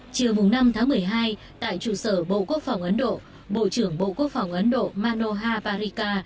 trưa năm tháng một mươi hai tại trụ sở bộ quốc phòng ấn độ bộ trưởng bộ quốc phòng ấn độ manohar parika